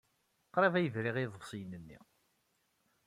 Qrib ay briɣ i yiḍebsiyen-nni.